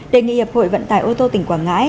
đề nghị hiệp hội vận tải ô tô tỉnh quảng ngãi